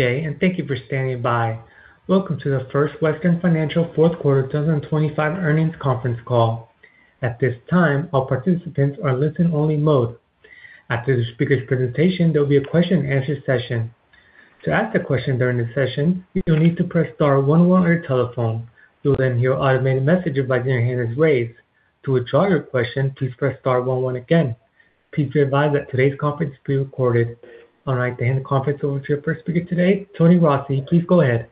Good day, and thank you for standing by. Welcome to the First Western Financial Fourth Quarter 2025 Earnings Conference Call. At this time, all participants are in listen-only mode. After the speaker's presentation, there will be a question-and-answer session. To ask a question during the session, you'll need to press star 11 on your telephone. You'll then hear an automated message advising you to raise. To withdraw your question, please press star 11 again. Please be advised that today's conference is being recorded. I'll now hand the conference over to your first speaker today, Tony Rossi. Please go ahead.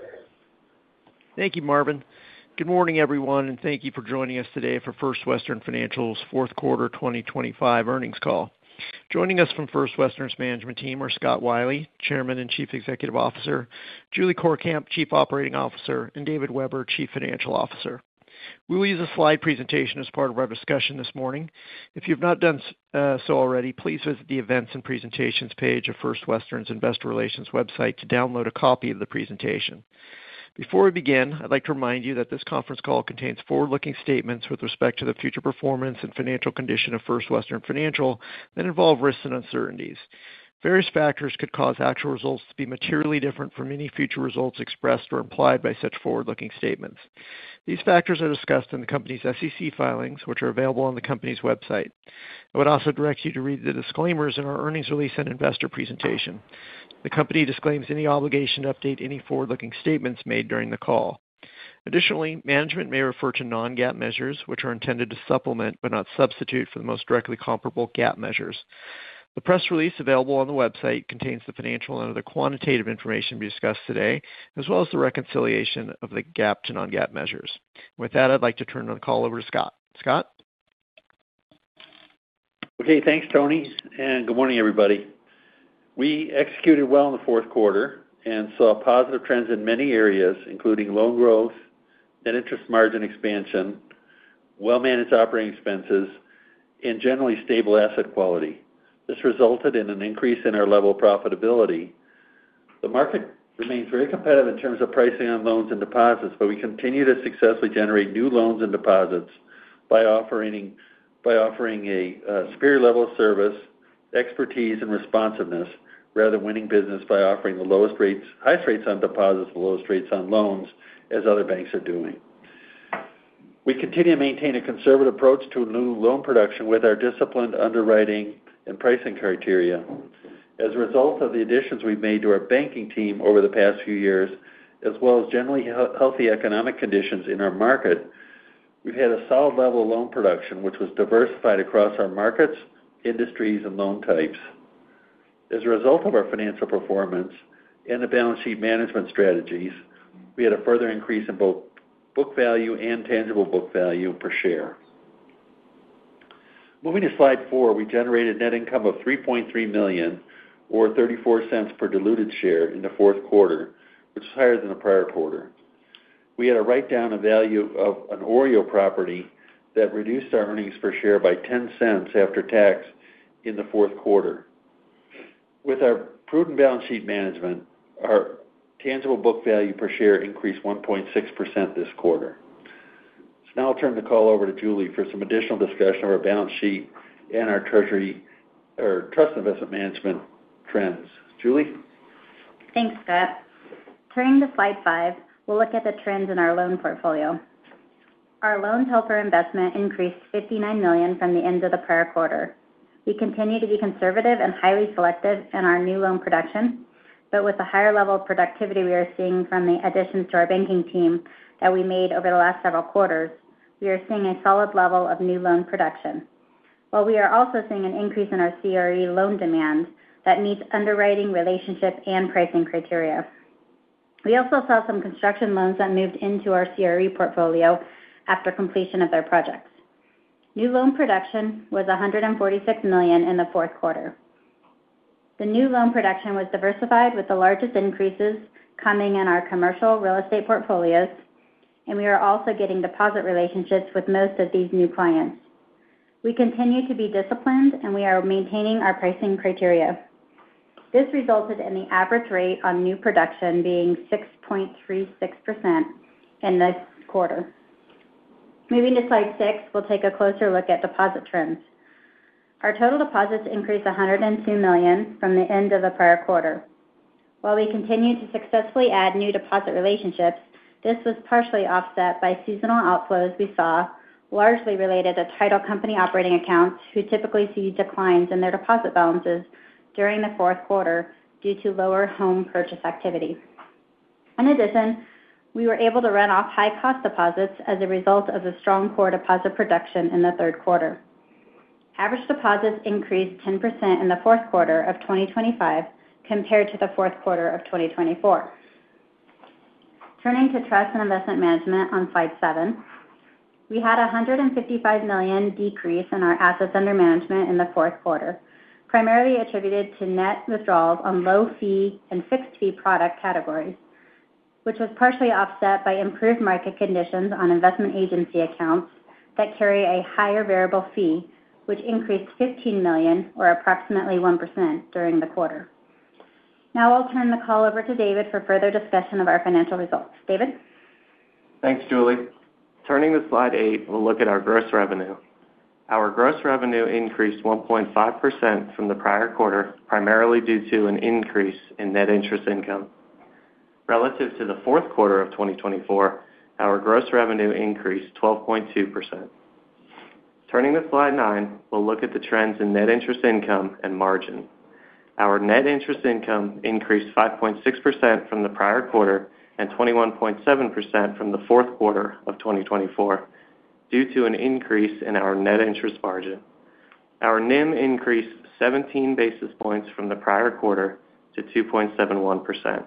Thank you, Marvin. Good morning, everyone, and thank you for joining us today for First Western Financial's fourth quarter 2025 earnings call. Joining us from First Western's management team are Scott Wylie, Chairman and Chief Executive Officer; Julie Courkamp, Chief Operating Officer; and David Weber, Chief Financial Officer. We will use a slide presentation as part of our discussion this morning. If you have not done so already, please visit the Events and Presentations page of First Western's Investor Relations website to download a copy of the presentation. Before we begin, I'd like to remind you that this conference call contains forward-looking statements with respect to the future performance and financial condition of First Western Financial that involve risks and uncertainties. Various factors could cause actual results to be materially different from any future results expressed or implied by such forward-looking statements. These factors are discussed in the company's SEC filings, which are available on the company's website. I would also direct you to read the disclaimers in our earnings release and investor presentation. The company disclaims any obligation to update any forward-looking statements made during the call. Additionally, management may refer to non-GAAP measures, which are intended to supplement but not substitute for the most directly comparable GAAP measures. The press release available on the website contains the financial and other quantitative information to be discussed today, as well as the reconciliation of the GAAP to non-GAAP measures. With that, I'd like to turn the call over to Scott. Scott? Okay. Thanks, Tony. Good morning, everybody. We executed well in the fourth quarter and saw positive trends in many areas, including loan growth, net interest margin expansion, well-managed operating expenses, and generally stable asset quality. This resulted in an increase in our level of profitability. The market remains very competitive in terms of pricing on loans and deposits, but we continue to successfully generate new loans and deposits by offering a superior level of service, expertise, and responsiveness rather than winning business by offering the lowest rates, highest rates on deposits, and the lowest rates on loans, as other banks are doing. We continue to maintain a conservative approach to new loan production with our disciplined underwriting and pricing criteria. As a result of the additions we've made to our banking team over the past few years, as well as generally healthy economic conditions in our market, we've had a solid level of loan production, which was diversified across our markets, industries, and loan types. As a result of our financial performance and the balance sheet management strategies, we had a further increase in both book value and tangible book value per share. Moving to slide 4, we generated net income of $3.3 million, or $0.34 per diluted share in the fourth quarter, which was higher than the prior quarter. We had a write-down of value of an OREO property that reduced our earnings per share by $0.10 after tax in the fourth quarter. With our prudent balance sheet management, our tangible book value per share increased 1.6% this quarter. So now I'll turn the call over to Julie for some additional discussion of our balance sheet and our trust investment management trends. Julie? Thanks, Scott. Turning to slide 5, we'll look at the trends in our loan portfolio. Our loans held for investment increased $59 million from the end of the prior quarter. We continue to be conservative and highly selective in our new loan production, but with the higher level of productivity we are seeing from the additions to our banking team that we made over the last several quarters, we are seeing a solid level of new loan production. While we are also seeing an increase in our CRE loan demand that meets underwriting relationship and pricing criteria. We also saw some construction loans that moved into our CRE portfolio after completion of their projects. New loan production was $146 million in the fourth quarter. The new loan production was diversified, with the largest increases coming in our commercial real estate portfolios, and we are also getting deposit relationships with most of these new clients. We continue to be disciplined, and we are maintaining our pricing criteria. This resulted in the average rate on new production being 6.36% in this quarter. Moving to slide 6, we'll take a closer look at deposit trends. Our total deposits increased $102 million from the end of the prior quarter. While we continued to successfully add new deposit relationships, this was partially offset by seasonal outflows we saw, largely related to title company operating accounts who typically see declines in their deposit balances during the fourth quarter due to lower home purchase activity. In addition, we were able to run off high-cost deposits as a result of the strong core deposit production in the third quarter. Average deposits increased 10% in the fourth quarter of 2025 compared to the fourth quarter of 2024. Turning to Trust and Investment Management on slide 7, we had a $155 million decrease in our assets under management in the fourth quarter, primarily attributed to net withdrawals on low-fee and fixed-fee product categories, which was partially offset by improved market conditions on investment agency accounts that carry a higher variable fee, which increased $15 million, or approximately 1%, during the quarter. Now I'll turn the call over to David for further discussion of our financial results. David? Thanks, Julie. Turning to slide 8, we'll look at our gross revenue. Our gross revenue increased 1.5% from the prior quarter, primarily due to an increase in net interest income. Relative to the fourth quarter of 2024, our gross revenue increased 12.2%. Turning to slide 9, we'll look at the trends in net interest income and margin. Our net interest income increased 5.6% from the prior quarter and 21.7% from the fourth quarter of 2024 due to an increase in our net interest margin. Our NIM increased 17 basis points from the prior quarter to 2.71%.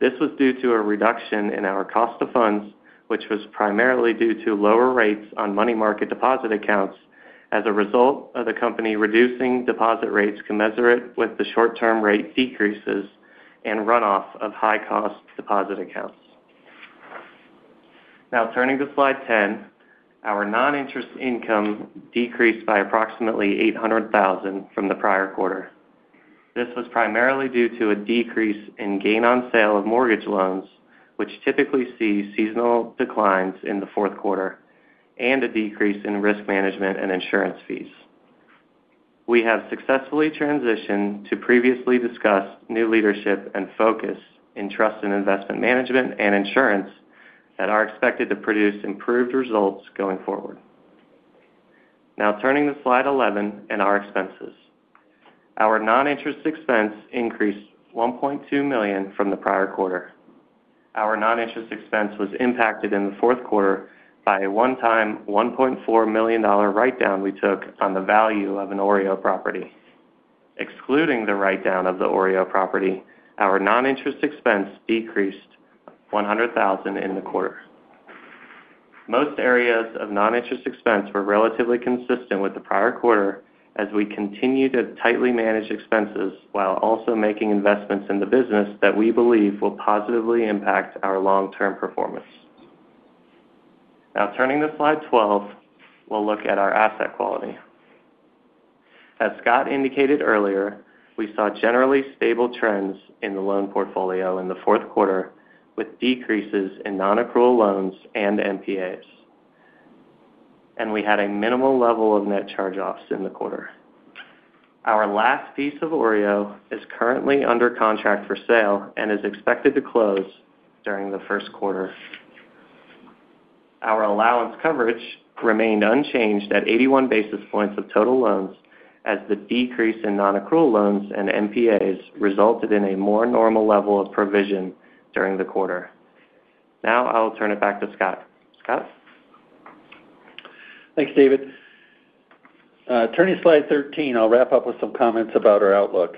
This was due to a reduction in our cost of funds, which was primarily due to lower rates on money market deposit accounts as a result of the company reducing deposit rates commensurate with the short-term rate decreases and runoff of high-cost deposit accounts. Now turning to slide 10, our non-interest income decreased by approximately $800,000 from the prior quarter. This was primarily due to a decrease in gain-on-sale of mortgage loans, which typically see seasonal declines in the fourth quarter, and a decrease in risk management and insurance fees. We have successfully transitioned to previously discussed new leadership and focus in Trust and Investment Management and Insurance that are expected to produce improved results going forward. Now turning to slide 11 and our expenses. Our non-interest expense increased $1.2 million from the prior quarter. Our non-interest expense was impacted in the fourth quarter by a one-time $1.4 million write-down we took on the value of an OREO property. Excluding the write-down of the OREO property, our non-interest expense decreased $100,000 in the quarter. Most areas of non-interest expense were relatively consistent with the prior quarter as we continue to tightly manage expenses while also making investments in the business that we believe will positively impact our long-term performance. Now turning to slide 12, we'll look at our asset quality. As Scott indicated earlier, we saw generally stable trends in the loan portfolio in the fourth quarter with decreases in non-accrual loans and NPAs, and we had a minimal level of net charge-offs in the quarter. Our last piece of OREO is currently under contract for sale and is expected to close during the first quarter. Our allowance coverage remained unchanged at 81 basis points of total loans as the decrease in non-accrual loans and NPAs resulted in a more normal level of provision during the quarter. Now I'll turn it back to Scott. Scott? Thanks, David. Turning to slide 13, I'll wrap up with some comments about our outlook.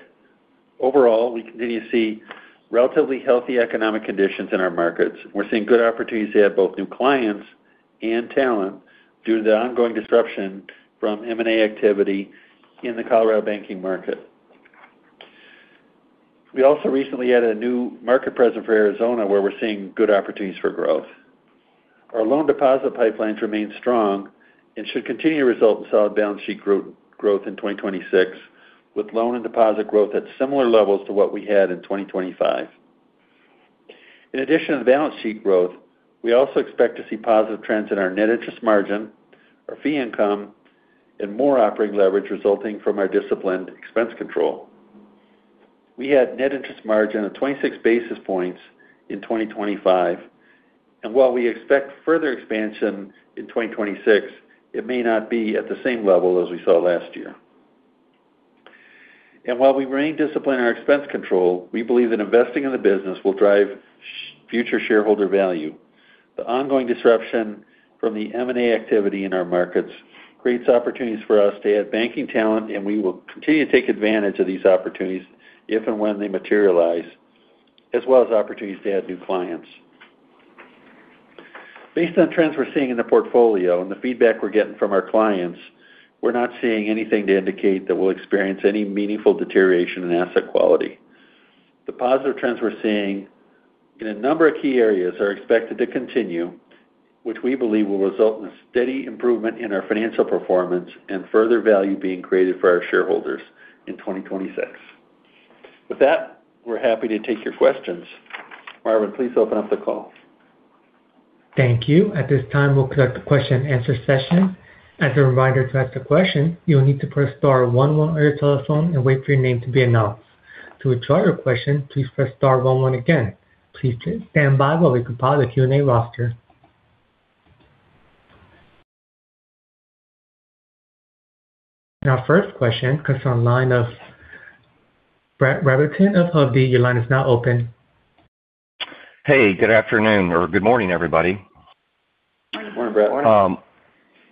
Overall, we continue to see relatively healthy economic conditions in our markets. We're seeing good opportunities to add both new clients and talent due to the ongoing disruption from M&A activity in the Colorado banking market. We also recently added a new market presence for Arizona where we're seeing good opportunities for growth. Our loan deposit pipelines remain strong and should continue to result in solid balance sheet growth in 2026, with loan and deposit growth at similar levels to what we had in 2025. In addition to the balance sheet growth, we also expect to see positive trends in our net interest margin, our fee income, and more operating leverage resulting from our disciplined expense control. We had net interest margin of 26 basis points in 2025, and while we expect further expansion in 2026, it may not be at the same level as we saw last year. And while we remain disciplined in our expense control, we believe that investing in the business will drive future shareholder value. The ongoing disruption from the M&A activity in our markets creates opportunities for us to add banking talent, and we will continue to take advantage of these opportunities if and when they materialize, as well as opportunities to add new clients. Based on trends we're seeing in the portfolio and the feedback we're getting from our clients, we're not seeing anything to indicate that we'll experience any meaningful deterioration in asset quality. The positive trends we're seeing in a number of key areas are expected to continue, which we believe will result in a steady improvement in our financial performance and further value being created for our shareholders in 2026. With that, we're happy to take your questions. Marvin, please open up the call. Thank you. At this time, we'll conduct a question-and-answer session. As a reminder to ask a question, you'll need to press star 11 on your telephone and wait for your name to be announced. To withdraw your question, please press star 11 again. Please stand by while we compile the Q&A roster. And our first question comes from the line of Brett Rabatin of Hovde. Your line is now open. Hey, good afternoon, or good morning, everybody. Morning, Brett.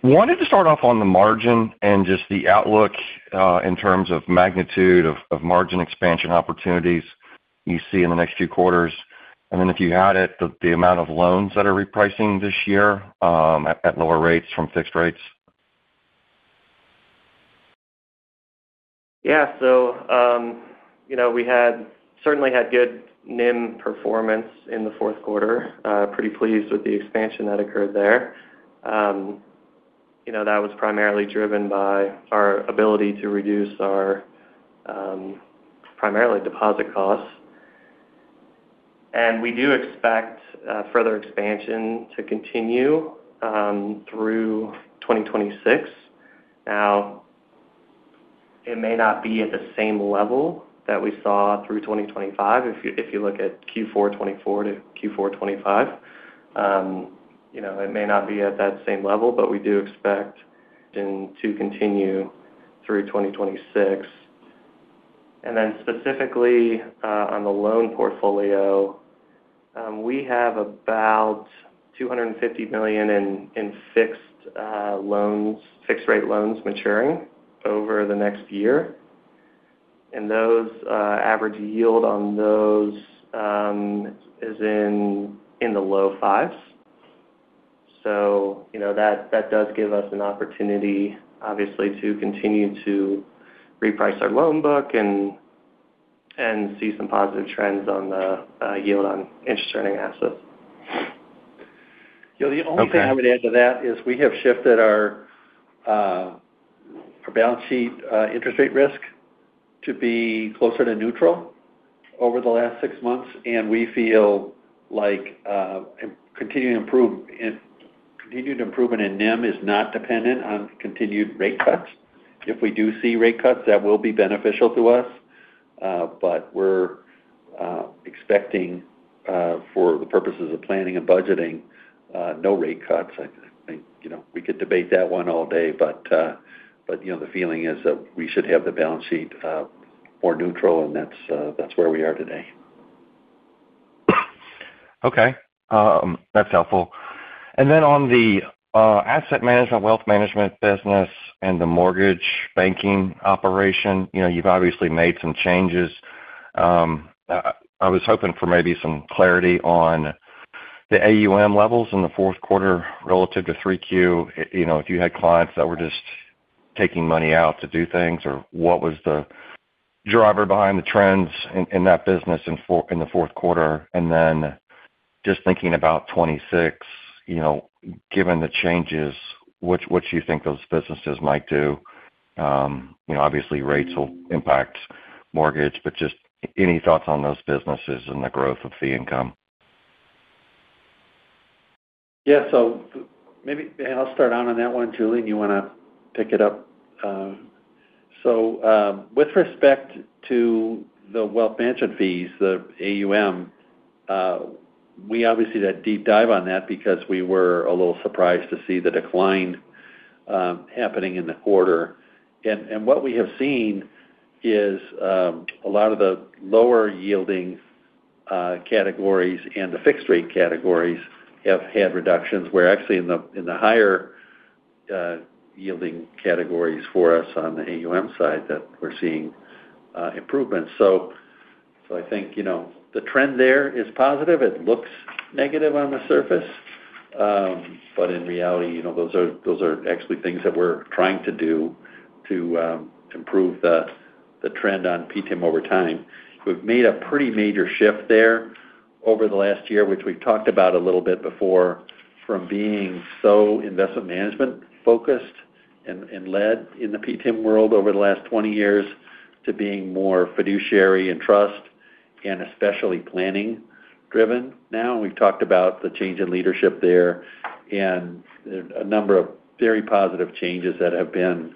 Wanted to start off on the margin and just the outlook in terms of magnitude of margin expansion opportunities you see in the next few quarters. And then if you had it, the amount of loans that are repricing this year at lower rates from fixed rates. Yeah, so we had certainly had good NIM performance in the fourth quarter. Pretty pleased with the expansion that occurred there. That was primarily driven by our ability to reduce our primarily deposit costs. We do expect further expansion to continue through 2026. Now, it may not be at the same level that we saw through 2025. If you look at Q4 2024 to Q4 2025, it may not be at that same level, but we do expect to continue through 2026. And then specifically on the loan portfolio, we have about $250 million in fixed rate loans maturing over the next year. And those average yield on those is in the low fives. So that does give us an opportunity, obviously, to continue to reprice our loan book and see some positive trends on the yield on interest-earning assets. Yeah, the only thing I would add to that is we have shifted our balance sheet interest rate risk to be closer to neutral over the last six months, and we feel like continued improvement in NIM is not dependent on continued rate cuts. If we do see rate cuts, that will be beneficial to us, but we're expecting, for the purposes of planning and budgeting, no rate cuts. We could debate that one all day, but the feeling is that we should have the balance sheet more neutral, and that's where we are today. Okay, that's helpful. And then on the asset management, wealth management business, and the mortgage banking operation, you've obviously made some changes. I was hoping for maybe some clarity on the AUM levels in the fourth quarter relative to 3Q. If you had clients that were just taking money out to do things, or what was the driver behind the trends in that business in the fourth quarter? And then just thinking about 2026, given the changes, what do you think those businesses might do? Obviously, rates will impact mortgage, but just any thoughts on those businesses and the growth of fee income? Yeah, so maybe I'll start out on that one, Julie, and you want to pick it up. So with respect to the wealth management fees, the AUM, we obviously did a deep dive on that because we were a little surprised to see the decline happening in the quarter. And what we have seen is a lot of the lower-yielding categories and the fixed-rate categories have had reductions. We're actually in the higher-yielding categories for us on the AUM side that we're seeing improvements. So I think the trend there is positive. It looks negative on the surface, but in reality, those are actually things that we're trying to do to improve the trend on PTIM over time. We've made a pretty major shift there over the last year, which we've talked about a little bit before, from being so investment management-focused and led in the PTIM world over the last 20 years to being more fiduciary and trust and especially planning-driven now. We've talked about the change in leadership there and a number of very positive changes that have been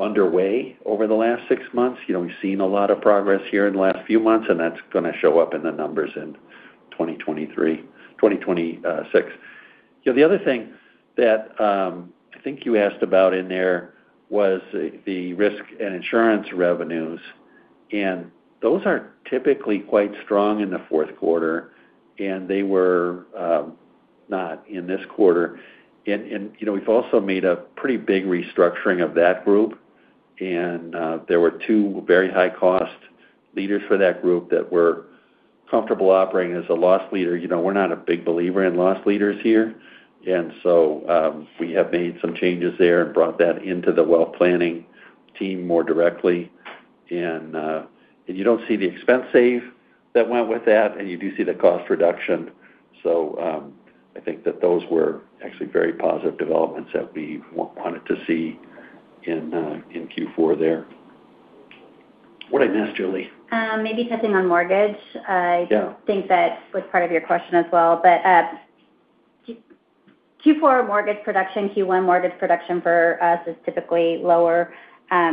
underway over the last six months. We've seen a lot of progress here in the last few months, and that's going to show up in the numbers in 2026. The other thing that I think you asked about in there was the risk and insurance revenues, and those are typically quite strong in the fourth quarter, and they were not in this quarter. And we've also made a pretty big restructuring of that group, and there were two very high-cost leaders for that group that were comfortable operating as a loss leader. We're not a big believer in loss leaders here, and so we have made some changes there and brought that into the wealth planning team more directly. And you don't see the expense save that went with that, and you do see the cost reduction. So I think that those were actually very positive developments that we wanted to see in Q4 there. What did I miss, Julie? Maybe touching on mortgage. I think that was part of your question as well. But Q4 mortgage production, Q1 mortgage production for us is typically lower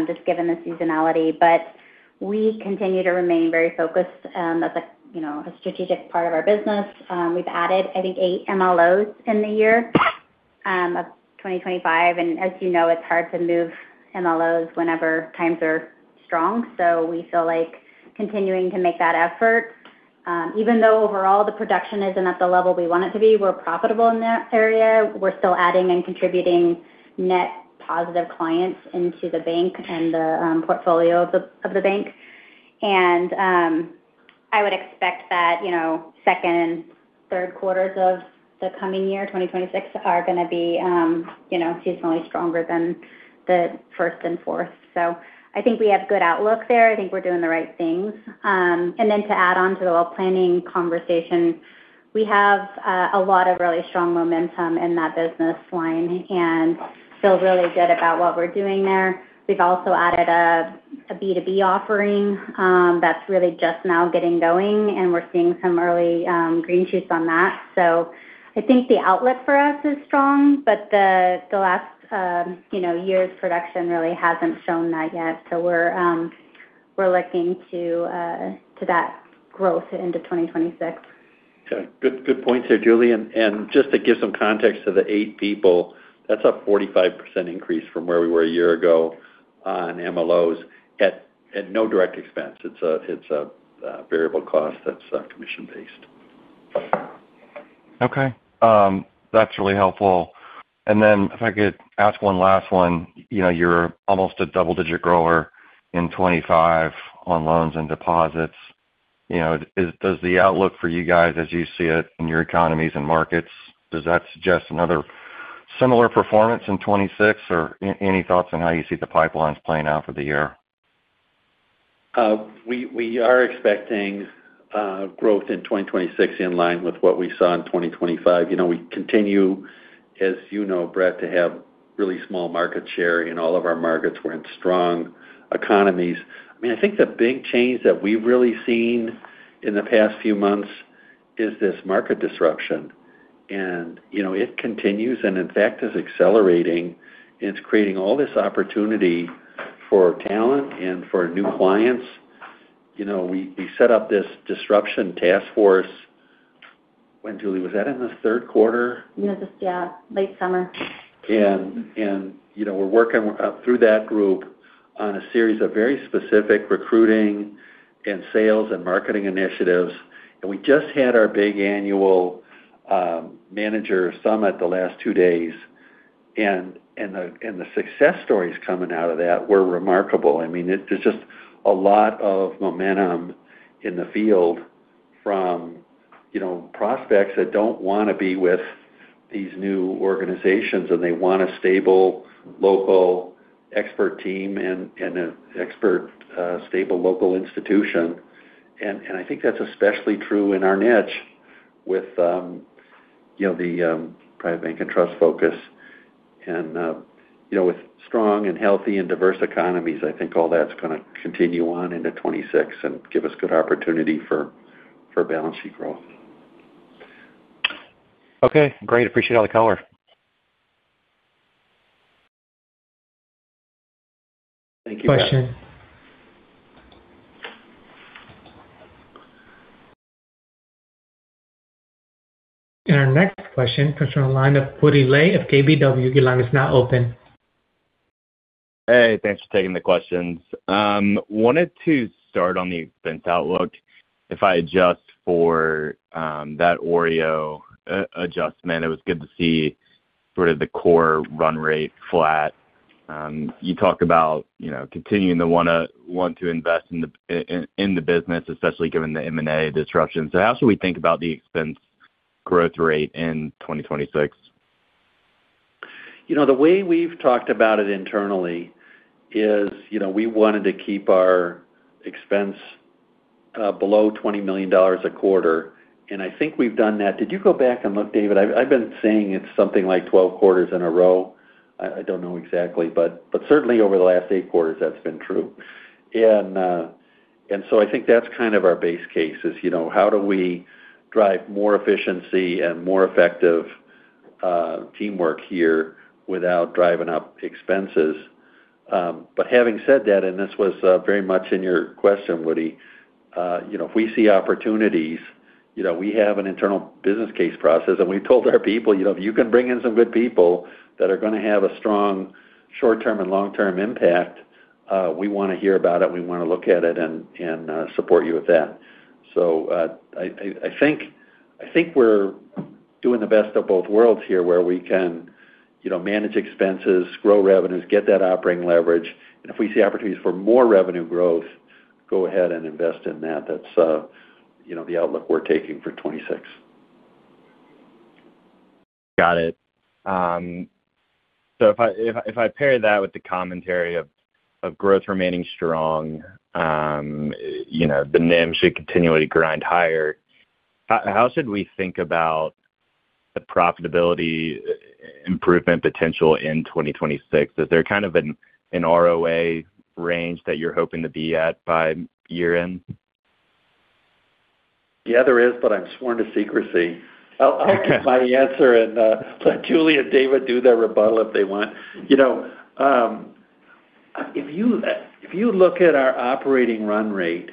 just given the seasonality, but we continue to remain very focused. That's a strategic part of our business. We've added, I think, 8 MLOs in the year of 2025. And as you know, it's hard to move MLOs whenever times are strong. So we feel like continuing to make that effort, even though overall the production isn't at the level we want it to be, we're profitable in that area. We're still adding and contributing net positive clients into the bank and the portfolio of the bank. And I would expect that second and third quarters of the coming year, 2026, are going to be seasonally stronger than the first and fourth. So I think we have good outlook there. I think we're doing the right things. And then to add on to the wealth planning conversation, we have a lot of really strong momentum in that business line and feel really good about what we're doing there. We've also added a B2B offering that's really just now getting going, and we're seeing some early green shoots on that. So I think the outlook for us is strong, but the last year's production really hasn't shown that yet. So we're looking to that growth into 2026. Okay, good points there, Julie. And just to give some context to the 8 people, that's a 45% increase from where we were a year ago on MLOs at no direct expense. It's a variable cost that's commission-based. Okay, that's really helpful. Then if I could ask one last one, you're almost a double-digit grower in 2025 on loans and deposits. Does the outlook for you guys, as you see it in your economies and markets, does that suggest another similar performance in 2026? Or any thoughts on how you see the pipelines playing out for the year? We are expecting growth in 2026 in line with what we saw in 2025. We continue, as you know, Brett, to have really small market share in all of our markets. We're in strong economies. I mean, I think the big change that we've really seen in the past few months is this market disruption. And it continues and, in fact, is accelerating. It's creating all this opportunity for talent and for new clients. We set up this disruption task force. When Julie was that in the third quarter? Yeah, just yeah, late summer. We're working through that group on a series of very specific recruiting and sales and marketing initiatives. We just had our big annual manager summit the last two days, and the success stories coming out of that were remarkable. I mean, there's just a lot of momentum in the field from prospects that don't want to be with these new organizations, and they want a stable local expert team and an expert stable local institution. I think that's especially true in our niche with the private bank and trust focus. With strong and healthy and diverse economies, I think all that's going to continue on into 2026 and give us good opportunity for balance sheet growth. Okay, great. Appreciate all the color. Thank you. And our next question comes from the line of Woody Lay of KBW. Your line is now open. Hey, thanks for taking the questions. Wanted to start on the expense outlook. If I adjust for that OREO adjustment, it was good to see sort of the core run rate flat. You talk about continuing to want to invest in the business, especially given the M&A disruption. So how should we think about the expense growth rate in 2026? The way we've talked about it internally is we wanted to keep our expense below $20 million a quarter. I think we've done that. Did you go back and look, David? I've been saying it's something like 12 quarters in a row. I don't know exactly, but certainly over the last eight quarters, that's been true. So I think that's kind of our base case is how do we drive more efficiency and more effective teamwork here without driving up expenses? But having said that, and this was very much in your question, Woody, if we see opportunities, we have an internal business case process, and we've told our people, if you can bring in some good people that are going to have a strong short-term and long-term impact, we want to hear about it. We want to look at it and support you with that. I think we're doing the best of both worlds here where we can manage expenses, grow revenues, get that operating leverage. If we see opportunities for more revenue growth, go ahead and invest in that. That's the outlook we're taking for 2026. Got it. So if I pair that with the commentary of growth remaining strong, the NIM should continue to grind higher, how should we think about the profitability improvement potential in 2026? Is there kind of an ROA range that you're hoping to be at by year-end? Yeah, there is, but I'm sworn to secrecy. I'll keep my answer and let Julie and David do their rebuttal if they want. If you look at our operating run rate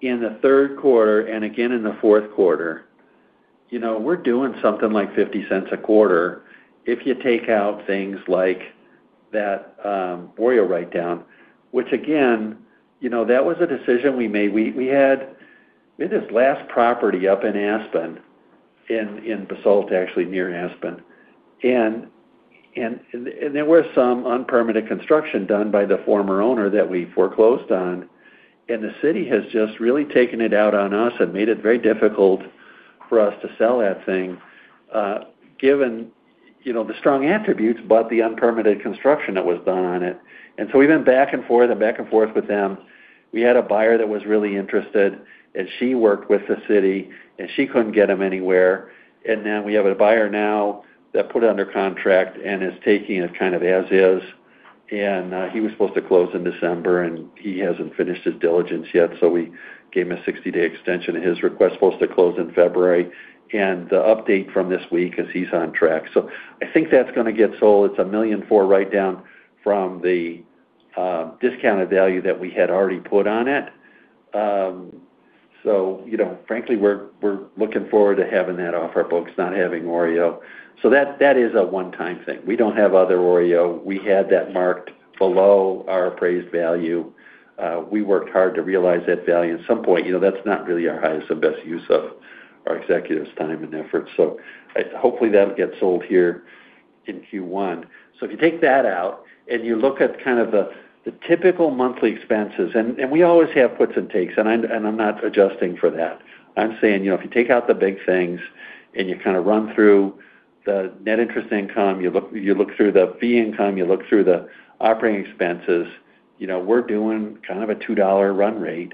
in the third quarter and again in the fourth quarter, we're doing something like $0.50 a quarter if you take out things like that OREO write-down, which again, that was a decision we made. We had this last property up in Aspen in Basalt, actually near Aspen. And there were some unpermitted construction done by the former owner that we foreclosed on, and the city has just really taken it out on us and made it very difficult for us to sell that thing given the strong attributes but the unpermitted construction that was done on it. And so we went back and forth and back and forth with them. We had a buyer that was really interested, and she worked with the city, and she couldn't get them anywhere. And then we have a buyer now that put it under contract and is taking it kind of as is. And he was supposed to close in December, and he hasn't finished his diligence yet. So we gave him a 60-day extension. His request was to close in February. And the update from this week is he's on track. So I think that's going to get sold. It's a $1.4 million write-down from the discounted value that we had already put on it. So frankly, we're looking forward to having that off our books, not having OREO. So that is a one-time thing. We don't have other OREO. We had that marked below our appraised value. We worked hard to realize that value at some point. That's not really our highest and best use of our executive's time and effort. So hopefully that'll get sold here in Q1. So if you take that out and you look at kind of the typical monthly expenses, and we always have puts and takes, and I'm not adjusting for that. I'm saying if you take out the big things and you kind of run through the net interest income, you look through the fee income, you look through the operating expenses, we're doing kind of a $2 run rate,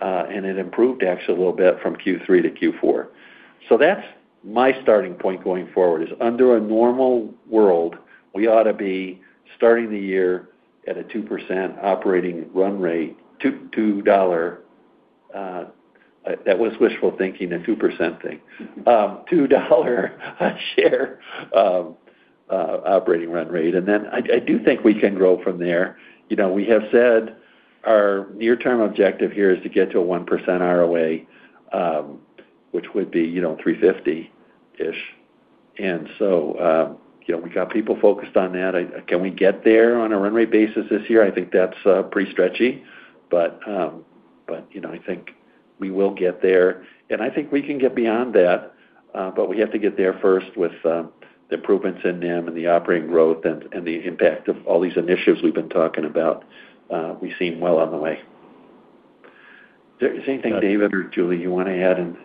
and it improved actually a little bit from Q3 to Q4. So that's my starting point going forward is under a normal world, we ought to be starting the year at a 2% operating run rate, $2. That was wishful thinking, a 2% thing, $2 a share operating run rate. And then I do think we can grow from there. We have said our near-term objective here is to get to a 1% ROA, which would be 350-ish. And so we got people focused on that. Can we get there on a run rate basis this year? I think that's pretty stretchy, but I think we will get there. And I think we can get beyond that, but we have to get there first with the improvements in NIM and the operating growth and the impact of all these initiatives we've been talking about. We seem well on the way. Is there anything, David or Julie, you want to add?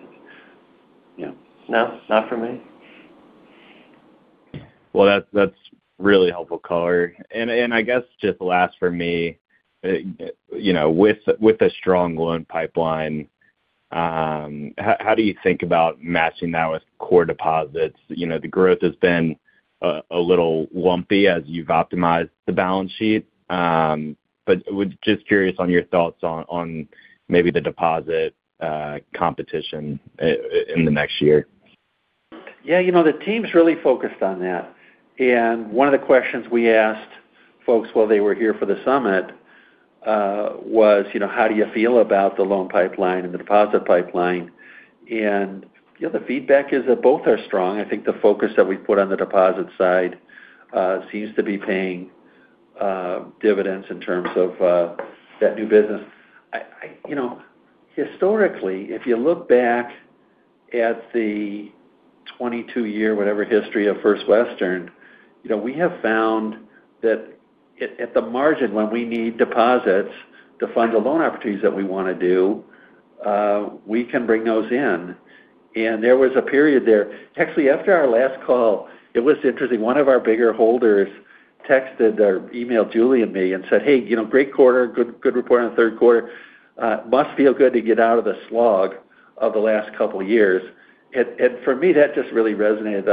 No, not for me. Well, that's really helpful, color. I guess just last for me, with a strong loan pipeline, how do you think about matching that with core deposits? The growth has been a little lumpy as you've optimized the balance sheet, but just curious on your thoughts on maybe the deposit competition in the next year. Yeah, the team's really focused on that. And one of the questions we asked folks while they were here for the summit was, how do you feel about the loan pipeline and the deposit pipeline? And the feedback is that both are strong. I think the focus that we've put on the deposit side seems to be paying dividends in terms of that new business. Historically, if you look back at the 22-year, whatever history of First Western, we have found that at the margin when we need deposits to fund the loan opportunities that we want to do, we can bring those in. And there was a period there. Actually, after our last call, it was interesting. One of our bigger holders texted or emailed Julie and me and said, "Hey, great quarter, good report on the third quarter. Must feel good to get out of the slog of the last couple of years." For me, that just really resonated.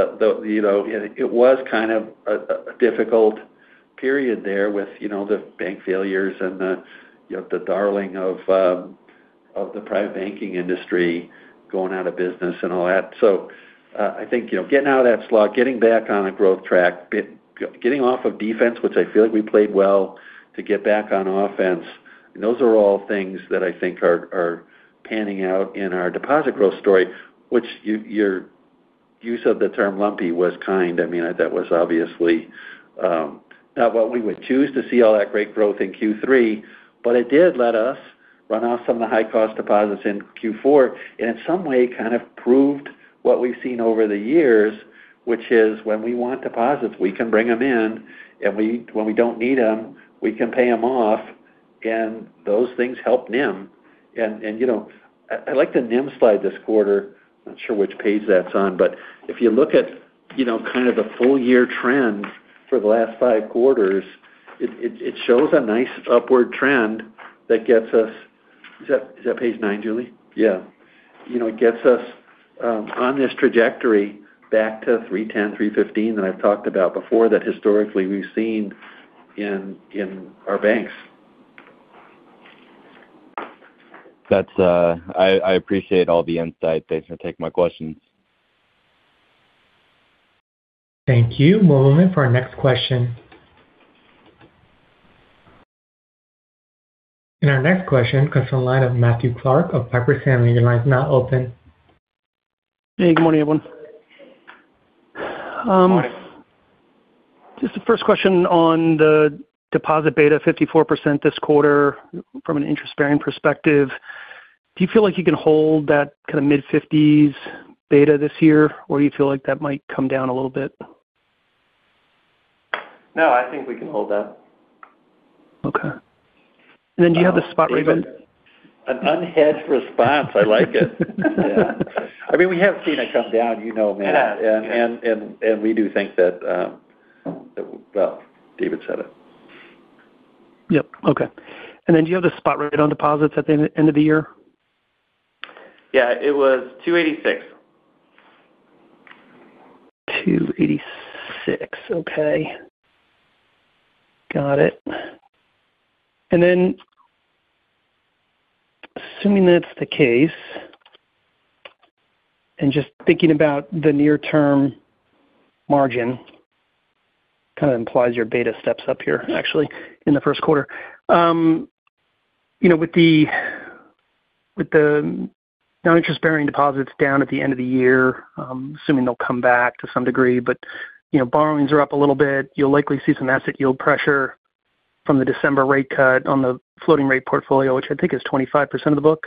It was kind of a difficult period there with the bank failures and the darling of the private banking industry going out of business and all that. I think getting out of that slog, getting back on a growth track, getting off of defense, which I feel like we played well to get back on offense, those are all things that I think are panning out in our deposit growth story, which your use of the term lumpy was kind. I mean, that was obviously not what we would choose to see all that great growth in Q3, but it did let us run off some of the high-cost deposits in Q4 and in some way kind of proved what we've seen over the years, which is when we want deposits, we can bring them in, and when we don't need them, we can pay them off. And those things help NIM. And I like the NIM slide this quarter. Not sure which page that's on, but if you look at kind of the full-year trend for the last 5 quarters, it shows a nice upward trend that gets us. Is that page 9, Julie? Yeah. It gets us on this trajectory back to 310/315 that I've talked about before that historically we've seen in our banks. I appreciate all the insight. Thanks for taking my questions. Thank you. We'll move on to our next question. Our next question comes from the line of Matthew Clark of Piper Sandler. Your line is now open. Hey, good morning, everyone. Just the first question on the deposit beta, 54% this quarter from an interest-bearing perspective. Do you feel like you can hold that kind of mid-50s beta this year, or do you feel like that might come down a little bit? No, I think we can hold that. Okay. And then do you have the spot rate? An unhedged response. I like it. Yeah. I mean, we have seen it come down, you know, man. And we do think that, well, David said it. Yep. Okay. And then do you have the spot rate on deposits at the end of the year? Yeah, it was 286. Okay. Got it. And then assuming that's the case and just thinking about the near-term margin, kind of implies your beta steps up here, actually, in the first quarter. With the non-interest-bearing deposits down at the end of the year, assuming they'll come back to some degree, but borrowings are up a little bit. You'll likely see some asset yield pressure from the December rate cut on the floating rate portfolio, which I think is 25% of the book.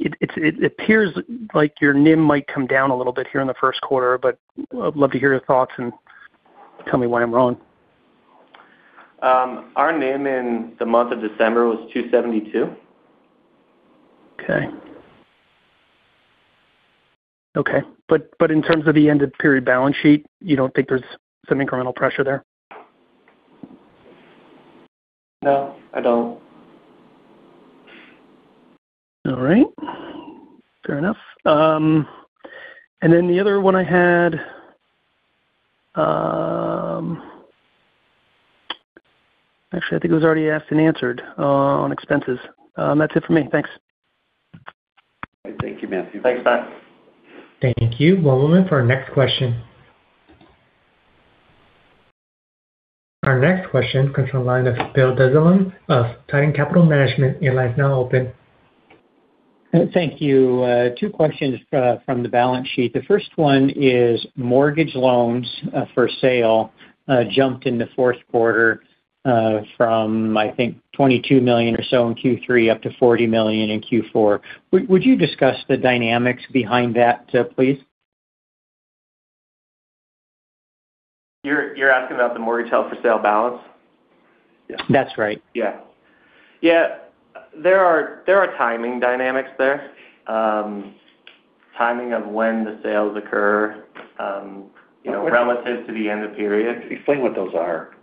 It appears like your NIM might come down a little bit here in the first quarter, but I'd love to hear your thoughts and tell me why I'm wrong. Our NIM in the month of December was 272. Okay. Okay. But in terms of the end-of-period balance sheet, you don't think there's some incremental pressure there? No, I don't. All right. Fair enough. And then the other one I had, actually, I think it was already asked and answered on expenses. That's it for me. Thanks. Thank you, Matthew. Thanks. Bye. Thank you. We'll move on to our next question. Our next question comes from the line of Bill Dezellem of Titan Capital Management. Your line is now open. Thank you. Two questions from the balance sheet. The first one is mortgage loans for sale jumped in the fourth quarter from, I think, $22 million or so in Q3 up to $40 million in Q4. Would you discuss the dynamics behind that, please? You're asking about the mortgage held-for-sale balance? Yes. That's right. Yeah. Yeah. There are timing dynamics there. Timing of when the sales occur relative to the end of period. Explain what those are.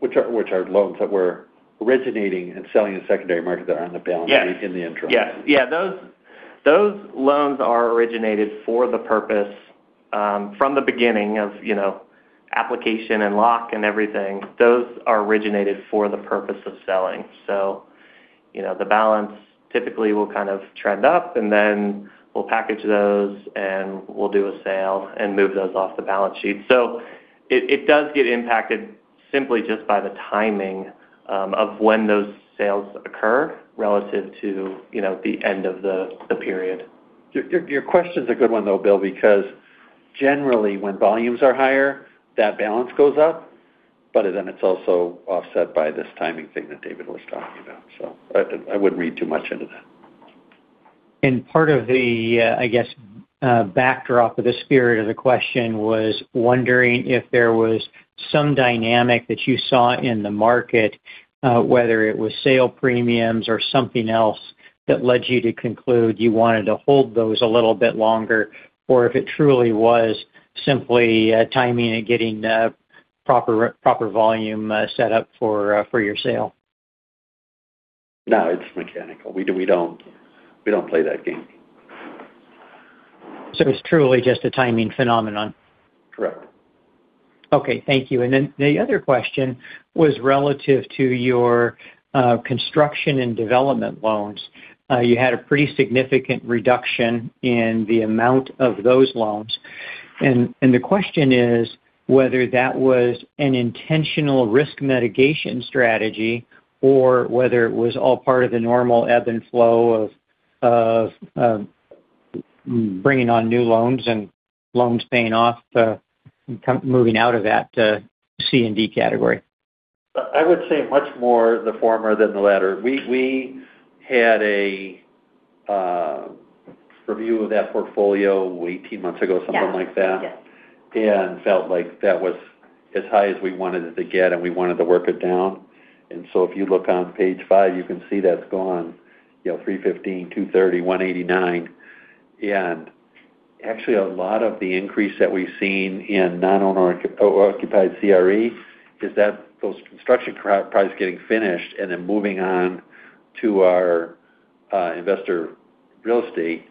Which are loans that were originating and selling in the secondary market that are on the balance sheet in the interim. Yeah. Yeah. Those loans are originated for the purpose from the beginning of application and lock and everything. Those are originated for the purpose of selling. So the balance typically will kind of trend up, and then we'll package those, and we'll do a sale and move those off the balance sheet. So it does get impacted simply just by the timing of when those sales occur relative to the end of the period. Your question's a good one, though, Bill, because generally, when volumes are higher, that balance goes up, but then it's also offset by this timing thing that David was talking about. So I wouldn't read too much into that. Part of the, I guess, backdrop of the spirit of the question was wondering if there was some dynamic that you saw in the market, whether it was sale premiums or something else, that led you to conclude you wanted to hold those a little bit longer, or if it truly was simply timing and getting proper volume set up for your sale. No, it's mechanical. We don't play that game. It's truly just a timing phenomenon. Correct. Okay. Thank you. And then the other question was relative to your Construction and Development loans. You had a pretty significant reduction in the amount of those loans. And the question is whether that was an intentional risk mitigation strategy or whether it was all part of the normal ebb and flow of bringing on new loans and loans paying off and moving out of that C&D category? I would say much more the former than the latter. We had a review of that portfolio 18 months ago, something like that, and felt like that was as high as we wanted it to get, and we wanted to work it down. So if you look on page 5, you can see that's gone $315, $230, $189. Actually, a lot of the increase that we've seen in non-owner-occupied CRE is that those construction projects getting finished and then moving on to our investor real estate.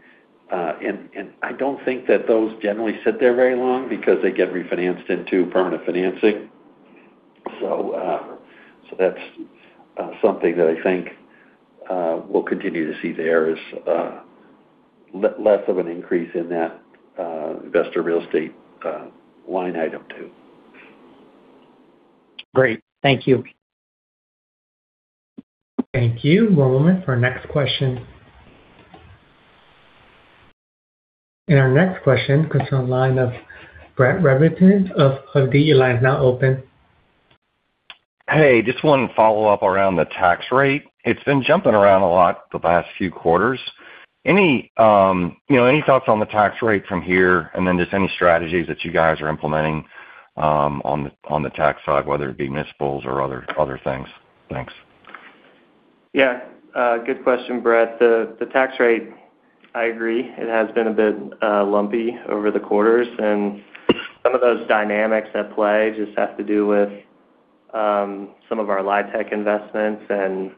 And I don't think that those generally sit there very long because they get refinanced into permanent financing. So that's something that I think we'll continue to see there is less of an increase in that investor real estate line item too. Great. Thank you. Thank you. We'll move on to our next question. Our next question comes from the line of Brett Rabatin of Hovde Group. Your line is now open. Hey, just wanted to follow up around the tax rate. It's been jumping around a lot the last few quarters. Any thoughts on the tax rate from here? And then just any strategies that you guys are implementing on the tax side, whether it be municipals or other things. Thanks. Yeah. Good question, Brett. The tax rate, I agree. It has been a bit lumpy over the quarters. And some of those dynamics at play just have to do with some of our fintech investments and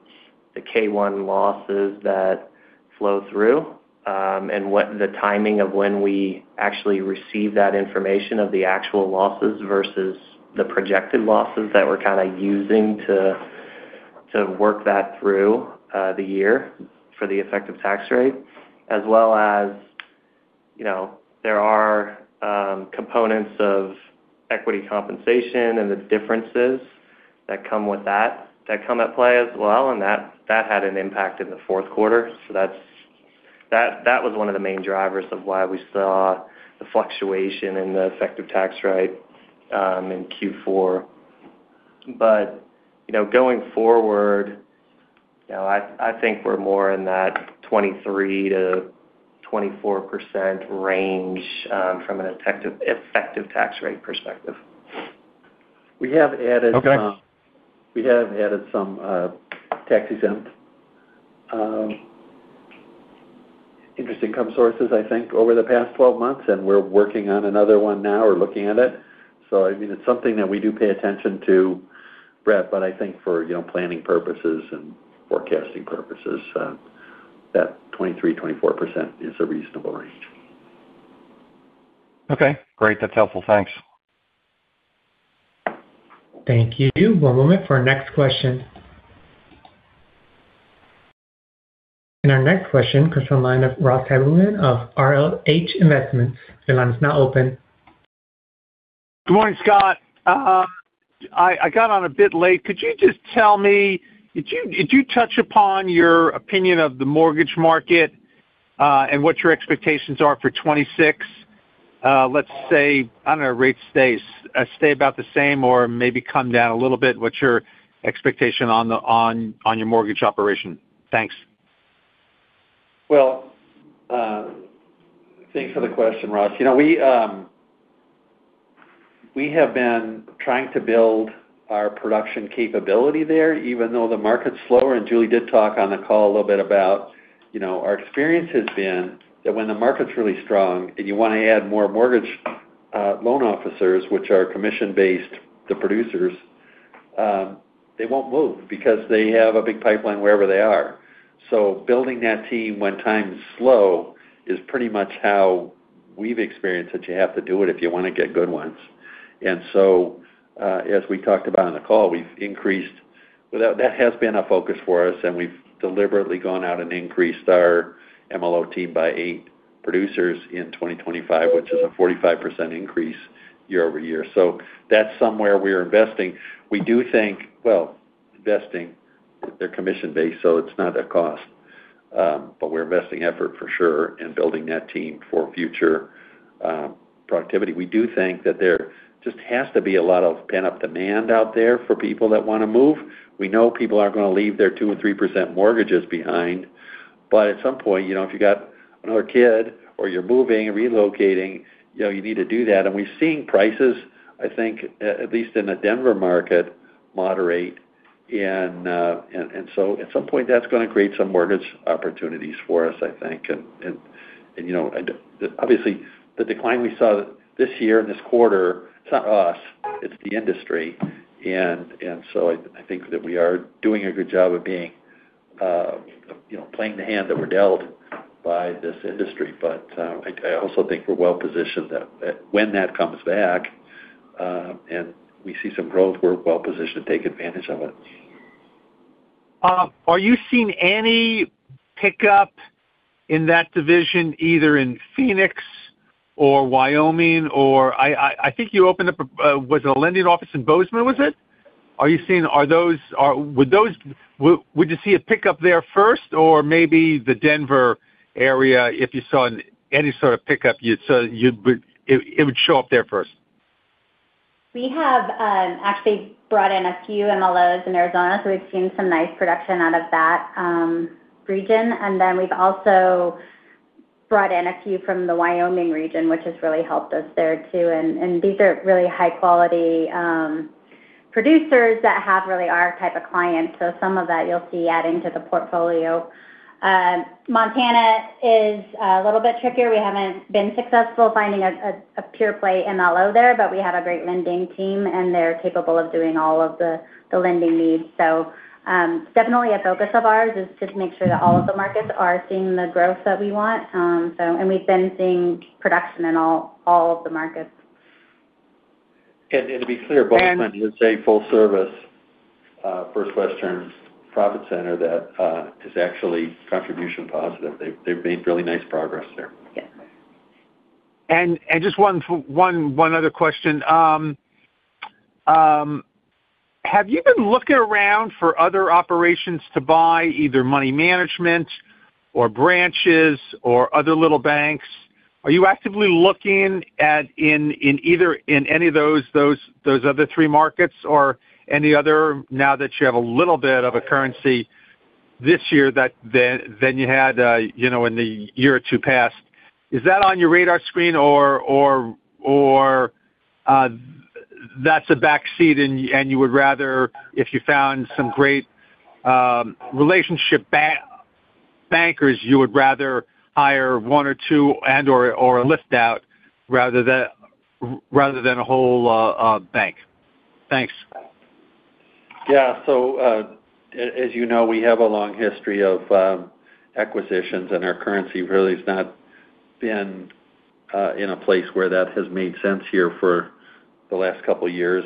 the K-1 losses that flow through and the timing of when we actually receive that information of the actual losses versus the projected losses that we're kind of using to work that through the year for the effective tax rate, as well as there are components of equity compensation and the differences that come with that that come into play as well. And that had an impact in the fourth quarter. So that was one of the main drivers of why we saw the fluctuation in the effective tax rate in Q4. But going forward, I think we're more in that 23%-24% range from an effective tax rate perspective. We have added some tax-exempt interest income sources, I think, over the past 12 months, and we're working on another one now or looking at it. So I mean, it's something that we do pay attention to, Brett, but I think for planning purposes and forecasting purposes, that 23%-24% is a reasonable range. Okay. Great. That's helpful. Thanks. Thank you. We'll move on for our next question. Our next question comes from the line of Ross Haberman of RLH Investments. Your line is now open. Good morning, Scott. I got on a bit late. Could you just tell me, did you touch upon your opinion of the mortgage market and what your expectations are for 2026? Let's say, I don't know, rates stay about the same or maybe come down a little bit. What's your expectation on your mortgage operation? Thanks. Well, thanks for the question, Ross. We have been trying to build our production capability there, even though the market's slower. And Julie did talk on the call a little bit about our experience has been that when the market's really strong and you want to add more mortgage loan officers, which are commission-based, the producers, they won't move because they have a big pipeline wherever they are. So building that team when times slow is pretty much how we've experienced that you have to do it if you want to get good ones. And so, as we talked about on the call, we've increased. That has been a focus for us, and we've deliberately gone out and increased our MLO team by eight producers in 2025, which is a 45% increase year-over-year. So that's somewhere we're investing. We do think, well, investing, they're commission-based, so it's not a cost, but we're investing effort for sure in building that team for future productivity. We do think that there just has to be a lot of pent-up demand out there for people that want to move. We know people are going to leave their 2% or 3% mortgages behind, but at some point, if you got another kid or you're moving or relocating, you need to do that. And we've seen prices, I think, at least in the Denver market, moderate. And so at some point, that's going to create some mortgage opportunities for us, I think. And obviously, the decline we saw this year in this quarter, it's not us. It's the industry. And so I think that we are doing a good job of being playing the hand that we're dealt by this industry. But I also think we're well-positioned that when that comes back and we see some growth, we're well-positioned to take advantage of it. Are you seeing any pickup in that division, either in Phoenix or Wyoming? I think you opened up a lending office in Bozeman, was it? Would you see a pickup there first, or maybe the Denver area, if you saw any sort of pickup, it would show up there first? We have actually brought in a few MLOs in Arizona, so we've seen some nice production out of that region. And then we've also brought in a few from the Wyoming region, which has really helped us there too. And these are really high-quality producers that have really our type of client. So some of that you'll see adding to the portfolio. Montana is a little bit trickier. We haven't been successful finding a pure-play MLO there, but we have a great lending team, and they're capable of doing all of the lending needs. So definitely a focus of ours is to make sure that all of the markets are seeing the growth that we want. And we've been seeing production in all of the markets. To be clear, Bozeman is a full-service First Western Profit Center that is actually contribution positive. They've made really nice progress there. Just one other question. Have you been looking around for other operations to buy, either money management or branches or other little banks? Are you actively looking in any of those other three markets or any other now that you have a little bit of a currency this year than you had in the year or two past? Is that on your radar screen, or that's a backseat, and you would rather, if you found some great relationship bankers, you would rather hire one or two and/or a lift out rather than a whole bank? Thanks. Yeah. So as you know, we have a long history of acquisitions, and our currency really has not been in a place where that has made sense here for the last couple of years.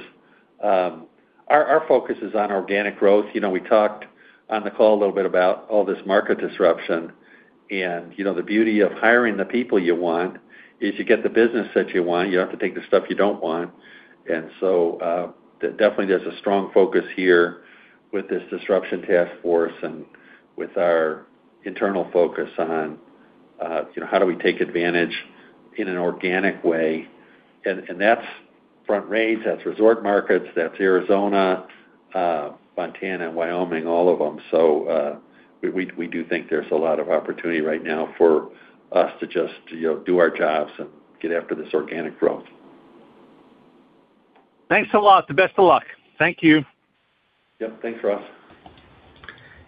Our focus is on organic growth. We talked on the call a little bit about all this market disruption. And the beauty of hiring the people you want is you get the business that you want. You don't have to take the stuff you don't want. And so definitely, there's a strong focus here with this disruption task force and with our internal focus on how do we take advantage in an organic way. And that's Front Range. That's Resort Markets. That's Arizona, Montana, and Wyoming, all of them. So we do think there's a lot of opportunity right now for us to just do our jobs and get after this organic growth. Thanks a lot. The best of luck. Thank you. Yep. Thanks, Ross.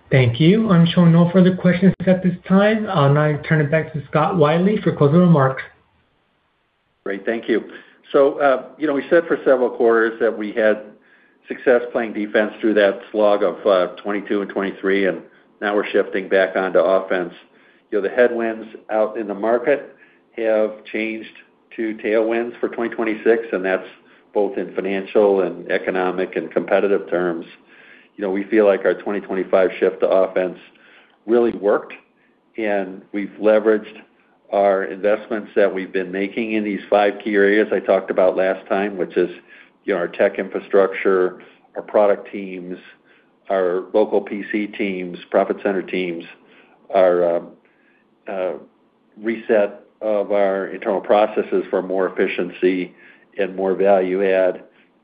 Thank you. I'm showing no further questions at this time. I'll now turn it back to Scott Wylie for closing remarks. Great. Thank you. So we said for several quarters that we had success playing defense through that slog of 2022 and 2023, and now we're shifting back onto offense. The headwinds out in the market have changed to tailwinds for 2026, and that's both in financial and economic and competitive terms. We feel like our 2025 shift to offense really worked, and we've leveraged our investments that we've been making in these five key areas I talked about last time, which is our tech infrastructure, our product teams, our local PC teams, Profit Center teams, our reset of our internal processes for more efficiency and more value-add.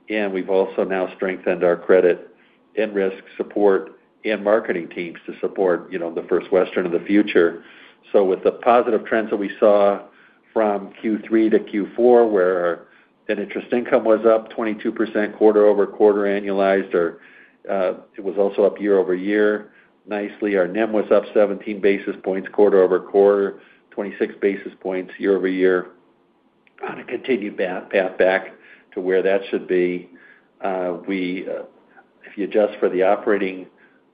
And we've also now strengthened our credit and risk support and marketing teams to support the First Western of the future. So with the positive trends that we saw from Q3 to Q4, where that interest income was up 22% quarter-over-quarter annualized, or it was also up year-over-year nicely. Our NIM was up 17 basis points quarter-over-quarter, 26 basis points year-over-year, on a continued path back to where that should be. If you adjust for the operating,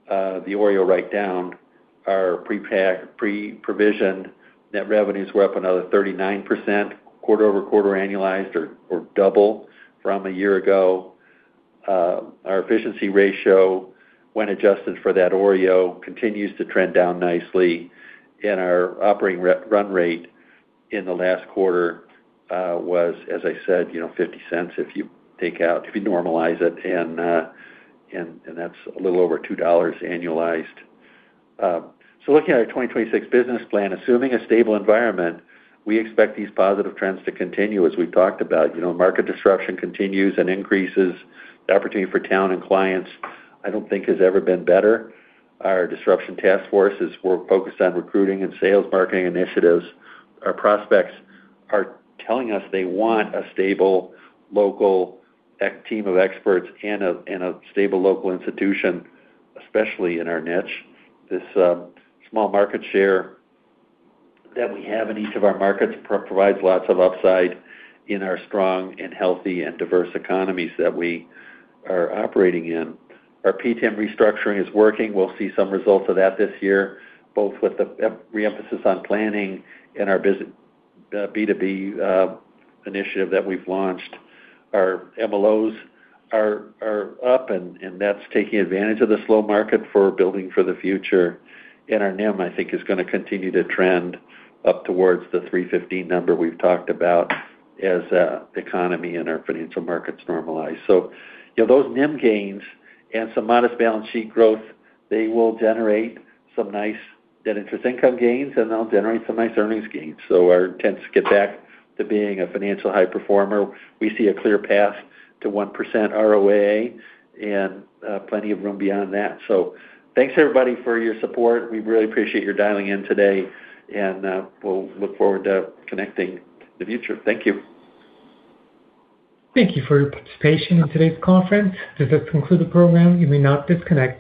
the OREO write-down, our pre-provision net revenues were up another 39% quarter-over-quarter annualized or double from a year ago. Our efficiency ratio, when adjusted for that OREO, continues to trend down nicely. And our operating run rate in the last quarter was, as I said, $0.50 if you take out, if you normalize it, and that's a little over $2 annualized. So looking at our 2026 business plan, assuming a stable environment, we expect these positive trends to continue, as we've talked about. Market disruption continues and increases. The opportunity for talent and clients, I don't think, has ever been better. Our disruption task force is focused on recruiting and sales marketing initiatives. Our prospects are telling us they want a stable local team of experts and a stable local institution, especially in our niche. This small market share that we have in each of our markets provides lots of upside in our strong and healthy and diverse economies that we are operating in. Our PTIM restructuring is working. We'll see some results of that this year, both with the re-emphasis on planning and our B2B initiative that we've launched. Our MLOs are up, and that's taking advantage of the slow market for building for the future. Our NIM, I think, is going to continue to trend up towards the 315 number we've talked about as the economy and our financial markets normalize. So those NIM gains and some modest balance sheet growth, they will generate some nice net interest income gains, and they'll generate some nice earnings gains. So our intent to get back to being a financial high performer, we see a clear path to 1% ROA and plenty of room beyond that. So thanks, everybody, for your support. We really appreciate your dialing in today, and we'll look forward to connecting in the future. Thank you. Thank you for your participation in today's conference. This has concluded the program. You may now disconnect.